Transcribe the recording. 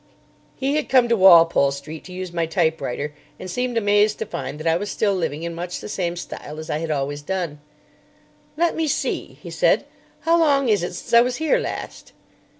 He had come to Walpole Street to use my typewriter, and seemed amazed to find that I was still living in much the same style as I had always done. "Let me see," he said. "How long is it since I was here last?"